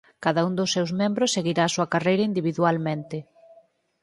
Cada un dos seus membros seguirá a súa carreira individualmente.